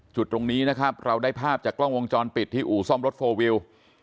จุดตรงนี้นะครับเราได้ภาพจากกล้องวงจรปิดที่อู่ซ่อมรถโฟลวิว